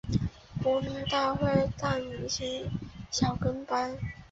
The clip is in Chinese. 国民大会大明星小跟班